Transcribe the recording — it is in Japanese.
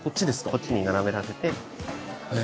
こっちに斜めらせて。へ。